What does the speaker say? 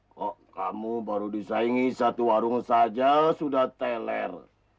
kok kamu baru disaingi satu warung saja sudah teler